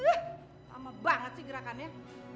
lama banget sih gerakannya